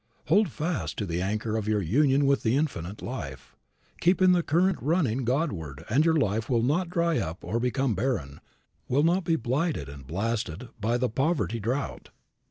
Hold fast to the anchor of your union with the Infinite Life; keep in the current running Godward and your life will not dry up or become barren, will not be blighted and blasted by the poverty drought.